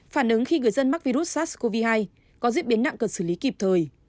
phản ứng khi người dân mắc virus sars cov hai có diễn biến nặng cần xử lý kịp thời